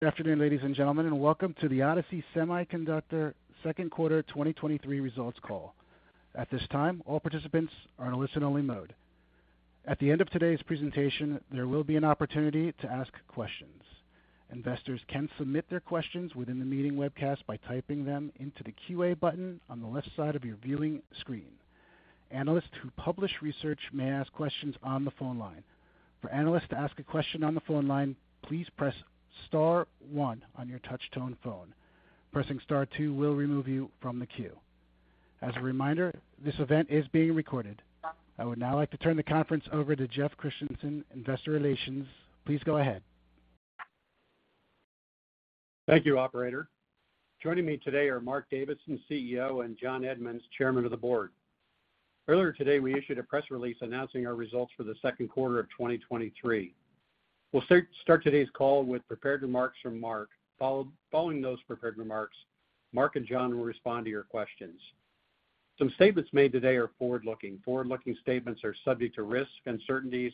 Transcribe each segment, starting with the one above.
Ladies and gentlemen, and welcome to the Odysee Semiconductor Second Quarter 2023 Results Call. At this time, all participants are in a listen only mode. At the end of today's presentation, there will be an opportunity to ask questions. Investors can submit their questions within the meeting webcast by typing them into the QA button on the left side of your viewing screen. Analysts who publish research may ask questions on the phone line. As a reminder, this event is being recorded. I would now like to turn the conference over to Jeff Christiansen, Investor Relations. Please go ahead. Thank you, operator. Joining me today are Mark Davidson, CEO and John Edmunds, Chairman of the Board. Earlier today, we issued a press release announcing our results for the Q2 of 2023. We'll start today's call with prepared remarks from Mark. Following those prepared remarks, Mark and John will respond to your questions. Some statements made today are forward looking. Forward looking statements are subject to Certainties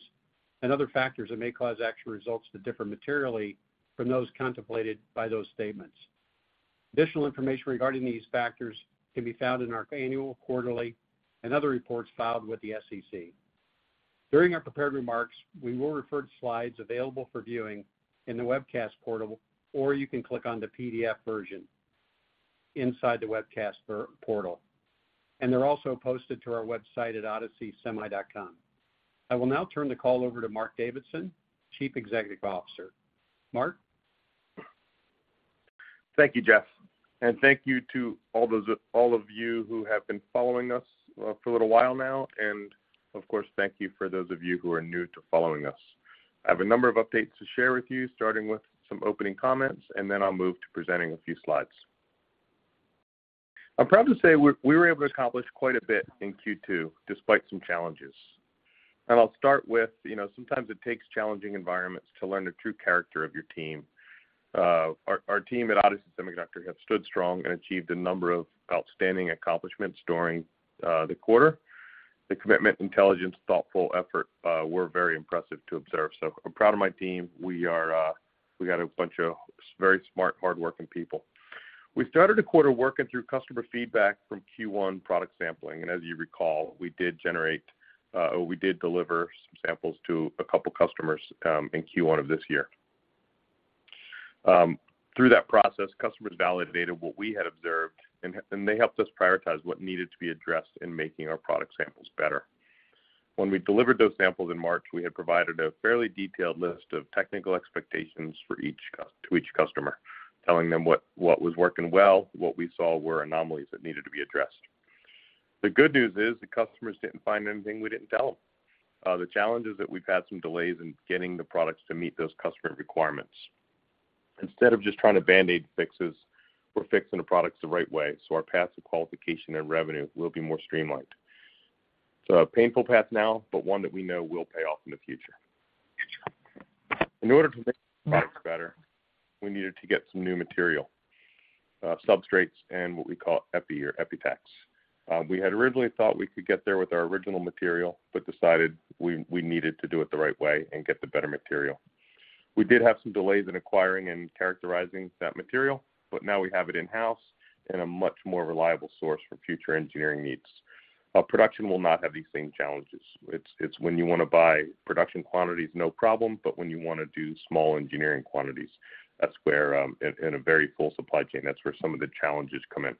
and other factors that may cause actual results to differ materially from those contemplated by those statements. Additional information regarding these factors Can be found in our annual, quarterly and other reports filed with the SEC. During our prepared remarks, we will refer to slides available for viewing and they're also posted to our website at odysseysemi.com. I will now turn the call over to Mark Davidson, Chief Executive Officer. Mark? Thank you, Jeff. And thank you to all of you who have been following us for a little while now. And Of course, thank you for those of you who are new to following us. I have a number of updates to share with you starting with some opening comments and then I'll move to presenting a few slides. I'm proud to say we were able to accomplish quite a bit in Q2 despite some challenges. And I'll start with sometimes it takes challenging environment To learn the true character of your team, our team at Odyssey Semiconductor have stood strong and achieved a number of outstanding accomplishments during the quarter. The commitment, intelligence, thoughtful effort, we're very impressive to observe. So I'm proud of my team. We are we got a bunch of very smart, hardworking people. We started the quarter working through customer feedback from Q1 product sampling. And as you recall, we did generate we did deliver Samples to a couple of customers in Q1 of this year. Through that process, customers validated what we had observed And they helped us prioritize what needed to be addressed in making our product samples better. When we delivered those samples in March, we had provided a fairly detailed list of Technical expectations for each to each customer, telling them what was working well, what we saw were anomalies that needed to be addressed. The good news is the customers didn't find anything we didn't tell. The challenge is that we've had some delays in getting the products to meet those customer requirements. Instead of just trying to band aid fixes, we're fixing the products the right way, so our path to qualification and revenue will be more streamlined. So a painful path now, but one that we know will pay off in the future. In order to make our products better, we needed to get some new material, substrates and what we call epi or Epitax. We had originally thought we could get there with our original material, but decided We needed to do it the right way and get the better material. We did have some delays in acquiring and characterizing that material, but now we have it in house And a much more reliable source for future engineering needs. Our production will not have these same challenges. It's when you want to buy production quantities, no problem, but when you want to do Small engineering quantities. That's where in a very full supply chain, that's where some of the challenges come in.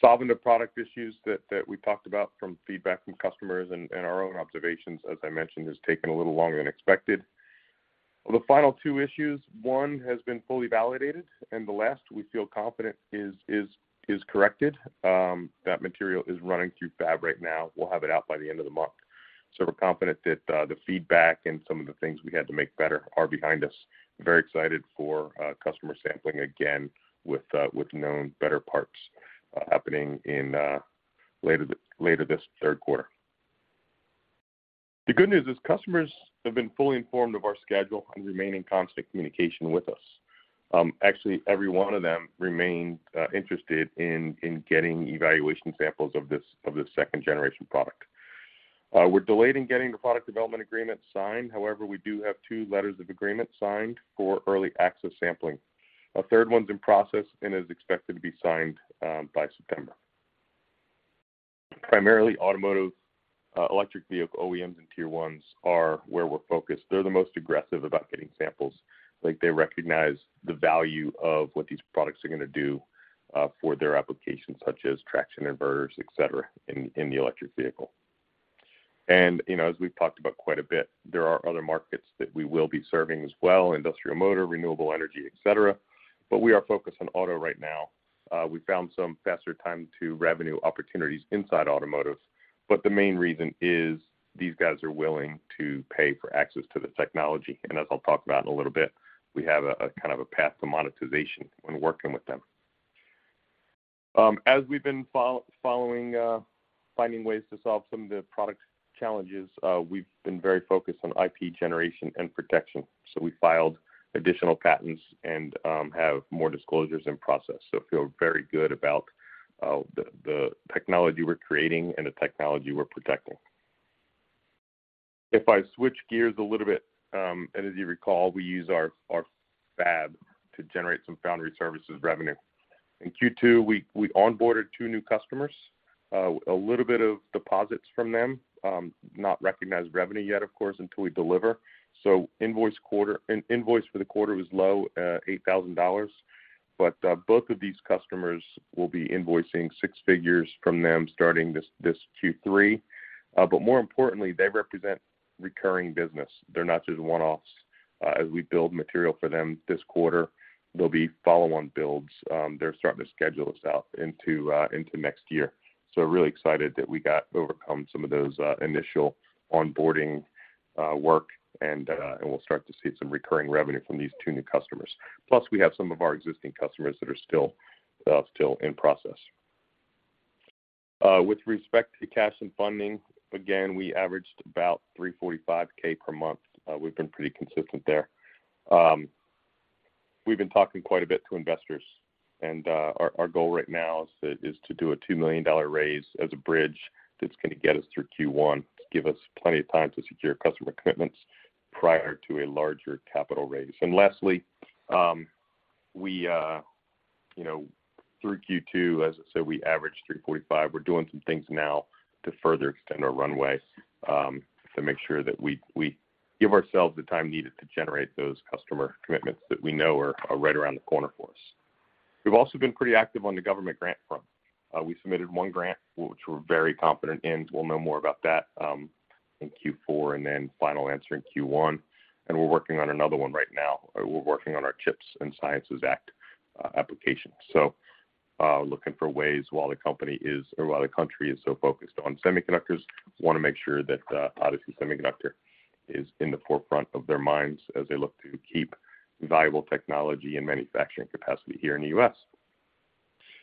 Solving the product issues that we talked about from feedback from customers and our own observations, as I mentioned, has taken a little longer than expected. The final two issues, one has been fully validated and the last, we feel confident, is corrected. That material is running through fab right now. So we're confident that the feedback and some of the things we had to make better are behind us. Very excited for customer sampling again with known better parts happening in later this Q3. The good news is customers have been fully informed of our schedule and remain in constant communication with us. Actually, every one of them Remain interested in getting evaluation samples of this 2nd generation product. We're delayed in getting the product development Agreement signed. However, we do have 2 letters of agreement signed for early access sampling. A third one is in process and is expected to be signed by September. Primarily automotive, electric vehicle OEMs and Tier 1s are where we're focused. They're the most aggressive about getting samples. Like they recognize the value of what these products are going to do for their applications such as traction inverters, etcetera, in the electric vehicle. And as we've talked about quite a bit, there are other markets that we will be serving as well, industrial motor, renewable energy, etcetera. But we are focused on auto right now. We found some faster time to revenue opportunities inside automotive. But the main reason is These guys are willing to pay for access to the technology. And as I'll talk about in a little bit, we have a kind of a path to monetization when working with them. As we've been following finding ways to solve some of the product challenges, we've been very focused on IP generation and protection. So we filed additional patents and have more disclosures in process. So feel very good about the technology we're creating and the If I switch gears a little bit, and as you recall, we use our Fab to generate some foundry services revenue. In Q2, we on boarded 2 new customers, a little bit of deposits from them, Not recognized revenue yet, of course, until we deliver. So invoice quarter invoice for the quarter was low, dollars 8,000 But both of these customers will be invoicing 6 figures from them starting this Q3. But more importantly, they represent Recurring business. They're not just one offs. As we build material for them this quarter, there'll be follow on builds. They're starting to schedule us out into next So really excited that we got overcome some of those initial onboarding work and we'll start to see some recurring revenue from these 2 new customers. Plus, we have some of our existing customers that are still in process. With respect to cash and funding, Again, we averaged about $3.45 per month. We've been pretty consistent there. We've been talking quite a bit to investors, And our goal right now is to do a $2,000,000 raise as a bridge that's going to get us through Q1 to give us plenty of time to secure customer commitments Prior to a larger capital raise. And lastly, we through Q2, as I So we averaged $345,000,000 We're doing some things now to further extend our runway to make sure that we Give ourselves the time needed to generate those customer commitments that we know are right around the corner for us. We've also been pretty active on the government grant front. We submitted one grant, which we're very confident in. We'll know more about that in Q4 and then final answer in Q1. We're working on another one right now. We're working on our Chips and Sciences Act application. So looking for ways while the company is or while the country is so On semiconductors, we want to make sure that Odyssey Semiconductor is in the forefront of their minds as they look to keep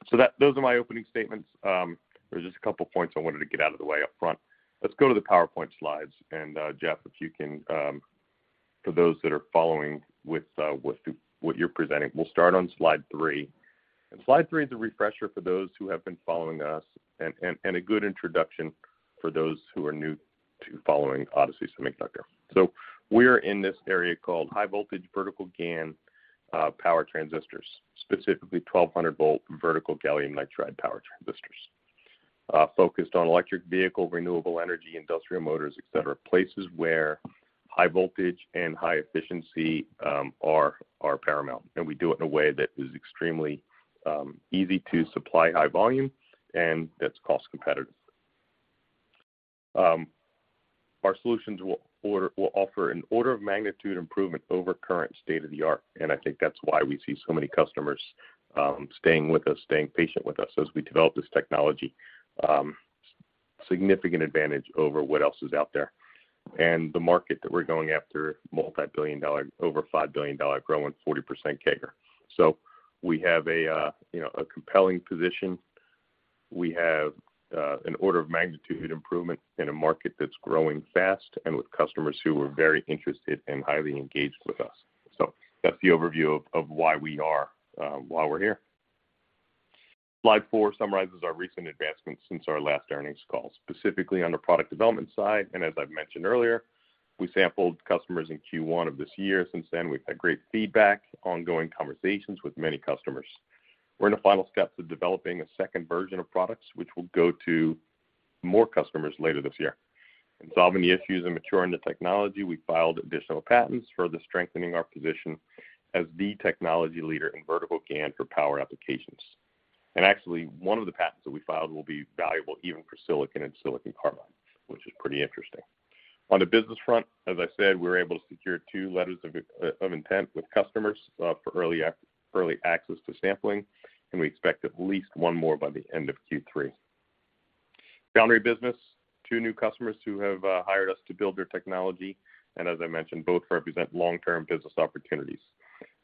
So those are my opening statements. There's just a couple of points I wanted to get out of the way upfront. Let's go to the PowerPoint slides. And Jeff, if you can for those that are following with what you're presenting, we'll start on Slide 3. And Slide 3 is a refresher for those who have been following us and a good introduction for those who are new to following Odysee Semiconductor. So we are in this area called high voltage vertical GaN power transistors, specifically 1200 volt vertical gallium nitride power transistors, Focused on electric vehicle, renewable energy, industrial motors, etcetera, places where high voltage and high efficiency Are paramount and we do it in a way that is extremely easy to supply high volume and that's cost competitive. Our solutions will offer an order of magnitude improvement over current state of the art, and I think that's why we see so many customers Staying with us, staying patient with us as we develop this technology, significant advantage over what else is out there. And the market that we're going after multi $1,000,000,000 over $5,000,000,000 growing 40 percent CAGR. So we have a compelling position. We have an order of magnitude improvement in a market that's growing fast and with customers who are very interested and highly engaged with us. So that's the overview of why we are why we're here. Slide 4 summarizes our recent advancements since our last earnings Specifically on the product development side and as I've mentioned earlier, we sampled customers in Q1 of this year. Since then, we've had great feedback, Ongoing conversations with many customers. We're in the final steps of developing a second version of products, which will go to more customers later this year. In solving the issues and maturing the technology, we filed additional patents for strengthening our position as the technology leader in vertical GaN for power applications. And actually, one of the patents that we filed will be valuable even for silicon and silicon carbide, which is pretty interesting. On the business front, As I said, we're able to secure 2 letters of intent with customers for early access to sampling, and we expect at least one more by the end of Q3. Foundry Business, 2 new customers who have hired us to build their technology. And as I mentioned, both represent long term business opportunities.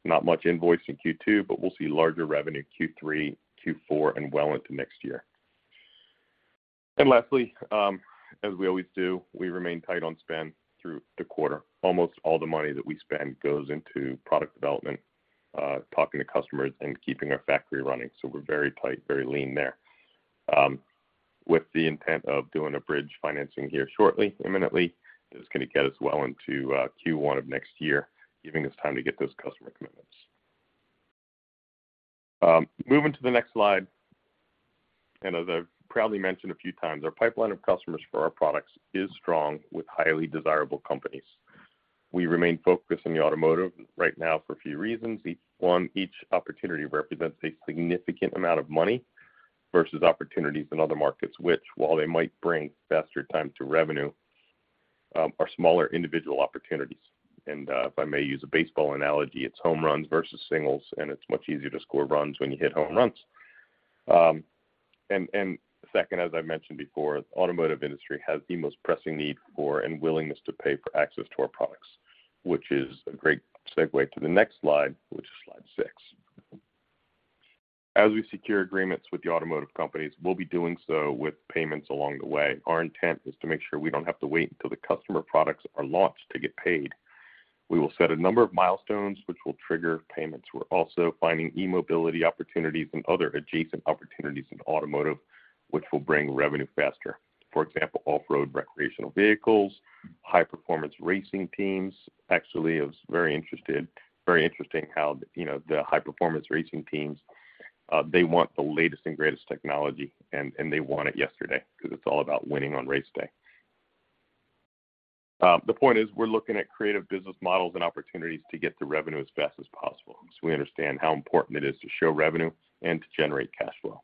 Not much invoice in Q2, but we'll see larger revenue in Q3, Q4 and well into next year. And lastly, as we always do, we remain tight on spend through the quarter. Almost all the money that we spend goes into product development, Talking to customers and keeping our factory running, so we're very tight, very lean there. With the intent of doing a bridge financing here shortly, imminently, It's going to get us well into Q1 of next year, giving us time to get those customer commitments. Moving to the next slide. And as I've proudly mentioned a few times, our pipeline of customers for our products is strong with highly desirable companies. We remain focused on the automotive right now for a few reasons. 1, each opportunity represents a significant amount of money versus opportunities in other markets, which, while they might bring faster time to revenue, are smaller individual opportunities. And if I may use a baseball analogy, it's home runs versus singles and it's much easier to score runs when you hit home runs. And second, as I mentioned before, automotive industry has the most pressing need for and willingness to pay for access to our products, Which is a great segue to the next slide, which is Slide 6. As we secure agreements with the automotive companies, we'll be doing so with Payments along the way. Our intent is to make sure we don't have to wait until the customer products are launched to get paid. We will set a number of milestones, which will trigger payments. We're also finding e mobility opportunities and other adjacent opportunities in automotive, which will bring revenue faster. For example, off road recreational vehicles, high performance racing teams, actually, I was very interested very interesting how the high performance racing teams, They want the latest and greatest technology and they want it yesterday because it's all about winning on race day. The point is we're looking at creative business models and opportunities to get to revenue as fast as possible. So we understand how important it is to show revenue and to generate cash flow.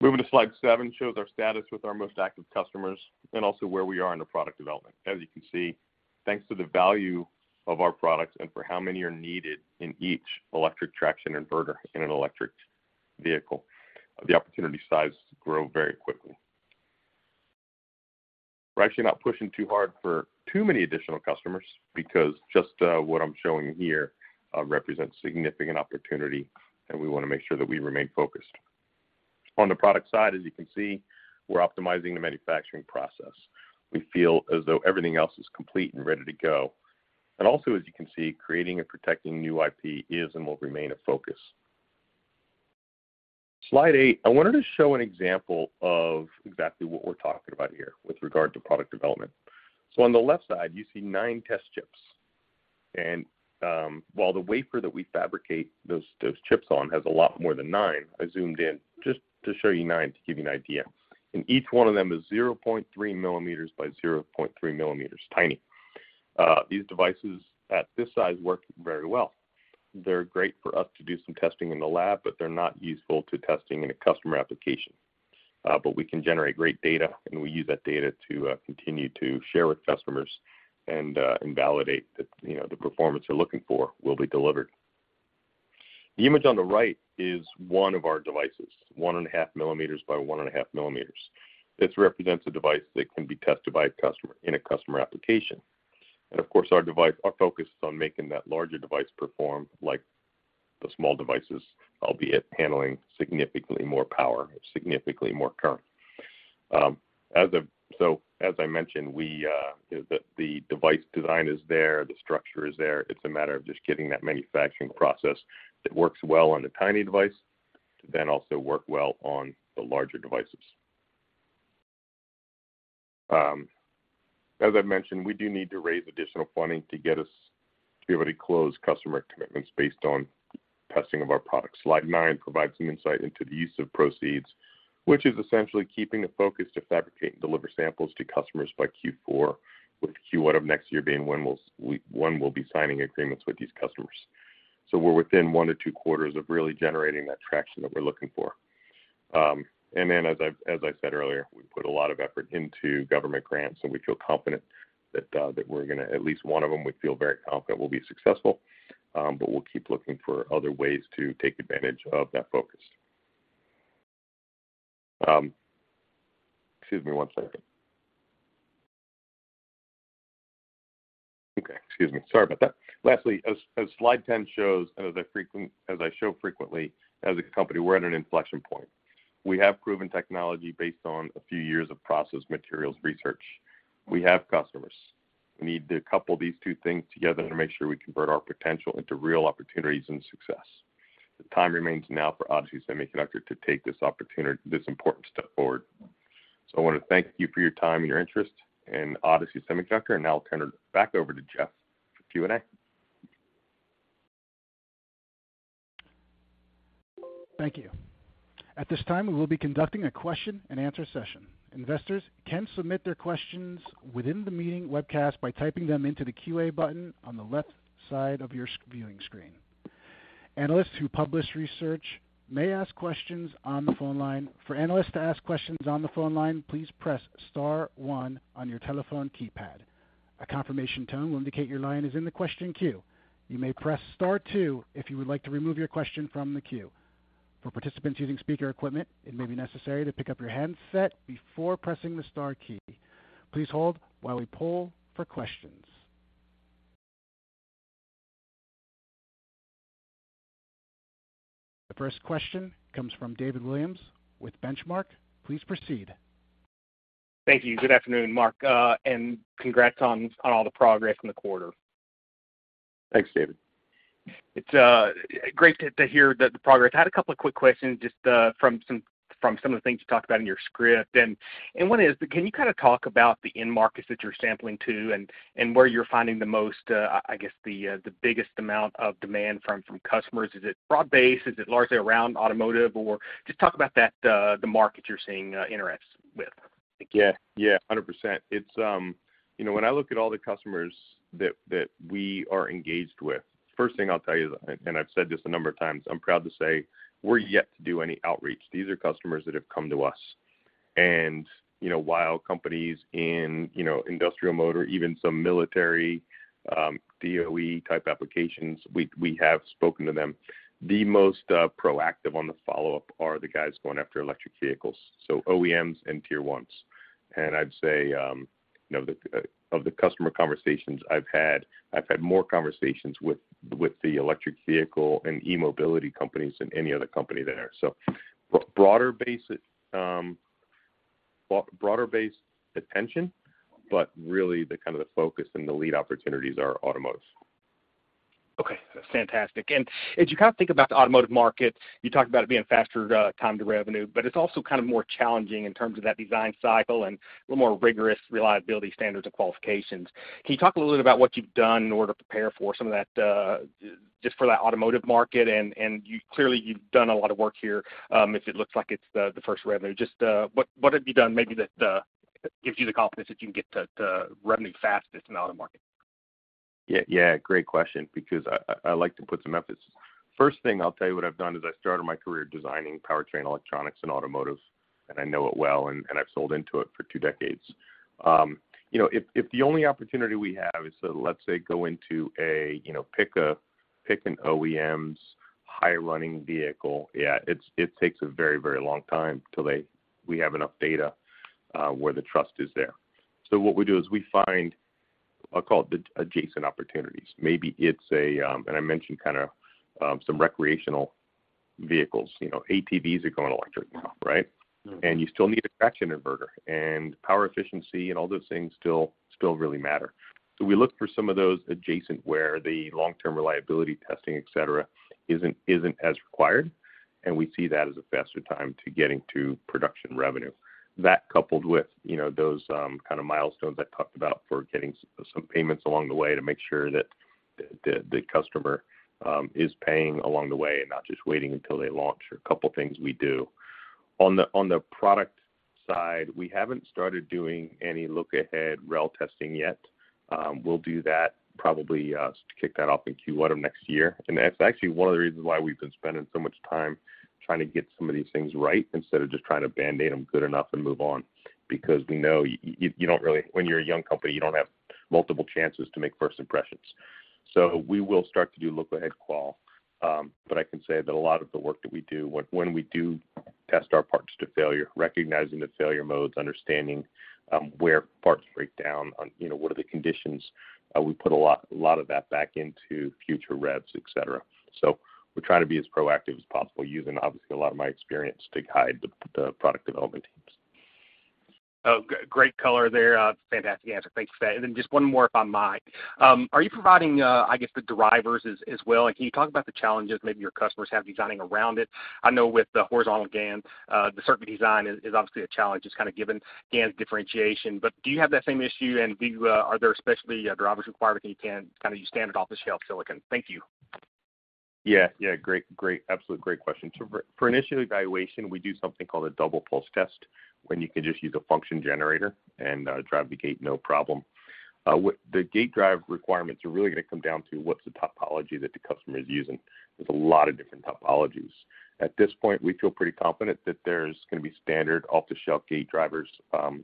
Moving to Slide 7 shows our status with our most active customers and also where we are in the product development. As you can see, thanks to the value Of our products and for how many are needed in each electric traction inverter in an electric vehicle, the opportunity size grow very quickly. Right. So you're not pushing too hard for too many additional customers because just what I'm showing here represents significant opportunity We want to make sure that we remain focused. On the product side, as you can see, we're optimizing the manufacturing process. We feel as though everything else is complete and ready to go. And also as you can see, creating and protecting new IP is and will remain a focus. Slide 8, I wanted to show an example of exactly what we're talking about here with regard to product development. So on the left side, you see 9 test chips. And while the wafer that we fabricate those chips on has a lot more than 9, I zoomed in just to show you 9 to give you an idea. And each one of them is 0.3 millimeters by 0.3 millimeters, tiny. These devices at this size work very well. They're great for us to do some testing in the lab, but they're not useful to testing in a customer application. But we can generate great data, and we use that data To continue to share with customers and validate that the performance they're looking for will be delivered. The image on the right is one of our devices, 1.5 millimeters by 1.5 millimeters. This represents a device that can be tested And of course, our focus is on making that larger device perform like the small devices, albeit handling significantly more power, significantly more current. So as I mentioned, we The device design is there, the structure is there. It's a matter of just getting that manufacturing process that works well on the tiny device Then also work well on the larger devices. As I mentioned, we do need to raise additional funding to get us We have any closed customer commitments based on testing of our products. Slide 9 provides some insight into the use of proceeds, Which is essentially keeping the focus to fabricate and deliver samples to customers by Q4 with Q1 of next year being when we'll be signing agreements with these customers. So we're within 1 to 2 quarters of really generating that traction that we're looking for. And then as I said earlier, we Put a lot of effort into government grants, and we feel confident that we're going to at least one of them, we feel very confident will be successful, But we'll keep looking for other ways to take advantage of that focus. Excuse me one second. Okay. Excuse me. Sorry about that. Lastly, as Slide 10 shows, as I show frequently, As a company, we're at an inflection point. We have proven technology based on a few years of process materials research. We have customers. We need to couple these two things together to make sure we convert our potential into real opportunities and success. The time remains now for Odyssey Semiconductor So I want to thank you for your time and your interest in Odyssey Semiconductor. And I'll turn it back over to Jeff for Q and A. Thank you. At this time, we will be conducting a question and answer session. Investors can submit their questions within the meeting webcast by typing them into the QA button on the left side of your viewing screen. Analysts who publish research may ask questions on the phone line. The first question comes from David Williams with Benchmark. Please proceed. Thank you. Good afternoon, Mark, and congrats on all the progress in the quarter. Thanks, David. It's great to hear the progress. I had a couple of quick questions just from some of the things you talked about in your script. And one is, can you kind of talk about the end markets that you're sampling to and where you're finding the most, I guess, the biggest amount of demand from Customers, is it broad based? Is it largely around automotive? Or just talk about that the market you're seeing interacts with? Yes, yes, 100%. It's When I look at all the customers that we are engaged with, first thing I'll tell you and I've said this a number of times, I'm proud to say We're yet to do any outreach. These are customers that have come to us. And while companies in industrial mode or even some military DOE type applications, we have spoken to them. The most proactive on the follow-up are the guys going after electric vehicles, So OEMs and Tier 1s. And I'd say, of the customer conversations I've had, I've had more conversations with the electric Vehicle and eMobility companies than any other company there. So broader base attention, But really the kind of the focus and the lead opportunities are automotive. Okay. Fantastic. And as you kind of think about the automotive market, You talked about it being faster time to revenue, but it's also kind of more challenging in terms of that design cycle and a little more rigorous reliability standards and qualifications. Can you talk a little bit about what you've done in order to prepare for some of that just for the automotive market? And clearly, you've done a lot of work here, If it looks like it's the first revenue, just what would be done maybe that gives you the confidence that you can get to revenue fastest in the auto market? Yes, great question because I like to put some efforts. First thing I'll tell you what I've done is I started my career designing powertrain electronics and automotive And I know it well and I've sold into it for 2 decades. If the only opportunity we have is, let's say, go into a pick Pick an OEM's high running vehicle, yes, it takes a very, very long time till they we have enough data where the trust is there. So what we do is we find, I'll call it, adjacent opportunities. Maybe it's a and I mentioned kind of some recreational Vehicles, ATVs are going electric now, right? And you still need a traction inverter and power efficiency and all those things still really matter. So we look for some of those adjacent where the long term reliability testing, etcetera, isn't as required. And we see that as a faster time to getting to production revenue. That coupled with those kind of milestones I talked about for getting some payments along the way to make sure that The customer is paying along the way and not just waiting until they launch a couple of things we do. On the product We haven't started doing any look ahead rel testing yet. We'll do that probably Kick that off in Q1 of next year. And that's actually one of the reasons why we've been spending so much time trying to get some of these things right instead of just trying to band aid them good enough and move on Because we know you don't really when you're a young company, you don't have multiple chances to make first impressions. So we will start to do look ahead qual, But I can say that a lot of the work that we do when we do test our parts to failure, recognizing the failure modes, understanding Where parts break down, what are the conditions, we put a lot of that back into future revs, etcetera. So we're trying to be as proactive as possible using obviously a lot of my experience to guide the product development teams. Great color there. Fantastic answer. Thanks for that. And then just one more if I might. Are you providing, I guess, the drivers as well? And can you talk about the challenges maybe your customers I know with the horizontal GaN, the circuit design is obviously a challenge just kind of given GaN's differentiation. But do you have that same issue? And do you are there specialty drivers Yes, great, great. Absolutely great question. So for initial evaluation, we do something called a double pulse test And you can just use a function generator and drive the gate, no problem. The gate drive requirements are really going to come down to what's the topology that the customer is using. There's a lot of different topologies. At this point, we feel pretty confident that there's going to be standard off the shelf gate drivers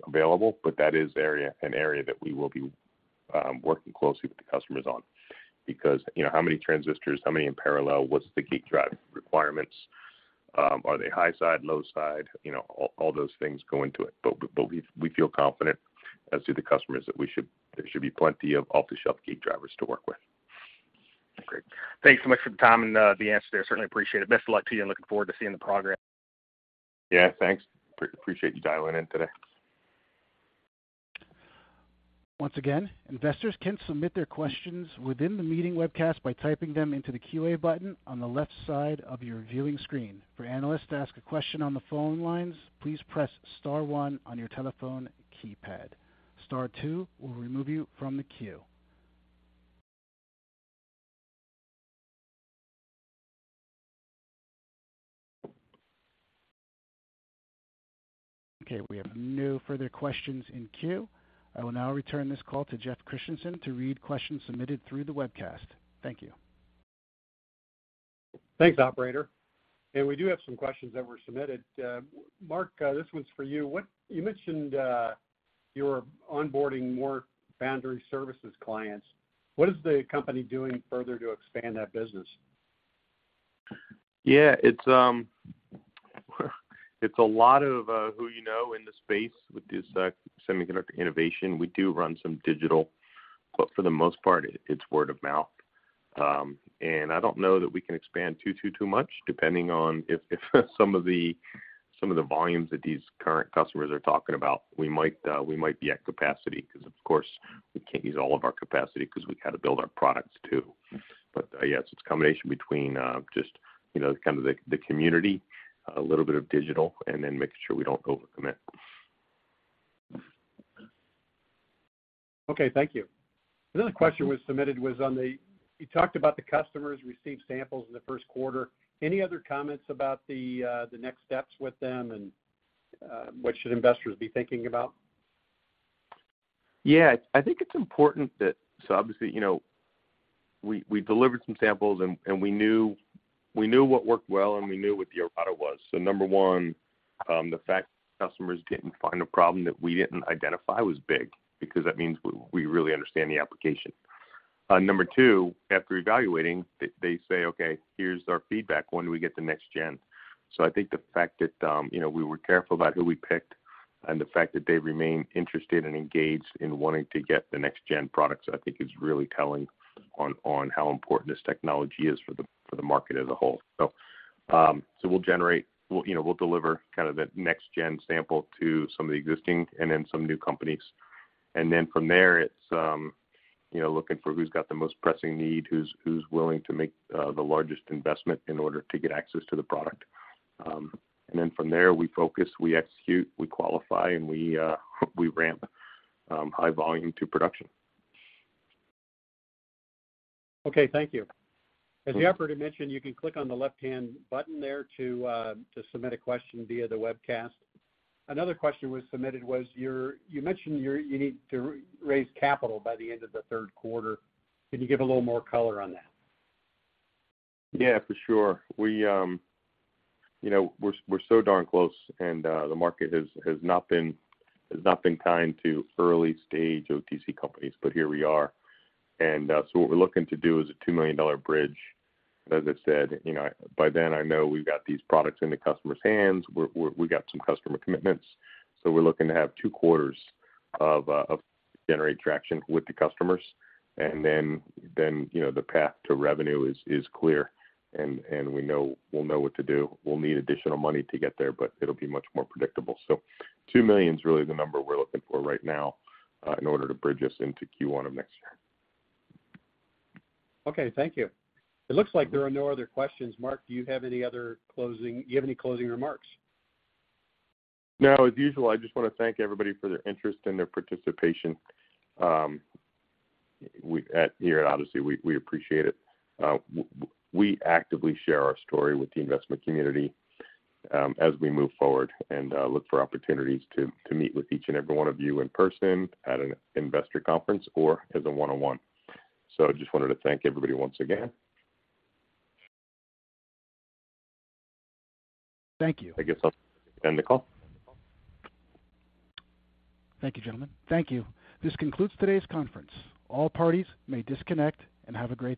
available, but that is an area that we will be Working closely with the customers on because how many transistors, how many in parallel, what's the gate drive requirements, Are they high side, low side, all those things go into it. But we feel confident as to the customers that we should there should be plenty of off the shelf key drivers to work with. Great. Thanks so much for the time and the answer there. Certainly appreciate it. Best of luck to you and looking forward to seeing the progress. Yes, thanks. Appreciate you dialing in today. Okay. We have no further questions in queue. I will now return this call to Jeff Christiansen to read questions submitted through the webcast. Thank you. Thanks, operator. And we do have some questions that were submitted. Mark, this one's for you. What you mentioned you're onboarding more foundry services clients. What is the company doing further to expand that business? Yes. It's a lot of who you know in the space with DUSEC Semiconductor Innovation. We do run some digital, but for the most part, it's word-of-mouth. And I don't know that we can expand too, too, too much depending on if some of the volumes that these Current customers are talking about we might be at capacity because of course we can't use all of our capacity because we've got to build our products too. Yes, it's a combination between just kind of the community, a little bit of digital and then making sure we don't over commit. Okay. Thank you. Another question was submitted was on the you talked about the customers received samples in the Q1. Any other comments about the next steps with them and what should investors be thinking about? Yes. I think it's important that so obviously, we delivered some samples and We knew what worked well and we knew what the IR product was. So number 1, the fact customers didn't find a problem that we didn't identify was big, Because that means we really understand the application. Number 2, after evaluating, they say, okay, here's our feedback, when do we get the next gen? So I think the fact that we were careful about who we picked and the fact that they remain interested and engaged in wanting to get the next gen products, I think, is really telling On how important this technology is for the market as a whole. So we'll generate we'll deliver kind of that next Jen sample to some of the existing and then some new companies. And then from there, it's looking for who's got the most pressing need, who's willing to make The largest investment in order to get access to the product. And then from there, we focus, we execute, we qualify and we ramp High volume to production. Okay. Thank you. As the operator mentioned, you can click on the left hand button there to submit a question via the webcast. Another question was submitted was your you mentioned you need to raise capital by the end of the third Can you give a little more color on that? Yes, for sure. We're so darn close And the market has not been kind to early stage OTC companies, but here we are. And so what we're looking to do is a $2,000,000 bridge. As I said, by then, I know we've got these products in the customers' hands. We've got some customer commitments. So we're looking to have 2 quarters of generating traction with the customers and then the path to revenue is clear And we know we'll know what to do. We'll need additional money to get there, but it'll be much more predictable. So $2,000,000 is really the number we're looking for right now In order to bridge us into Q1 of next year. Okay. Thank you. It looks like there are no other questions. Mark, do you have any other Do you have any closing remarks? No. As usual, I just want to thank everybody for their interest and their participation. Obviously, we appreciate it. We actively share our story with the investment community As we move forward and look for opportunities to meet with each and every one of you in person, at an investor conference or as a 1 on 1. End the call. Thank you, gentlemen. Thank you. This concludes today's conference. All parties may disconnect and have a great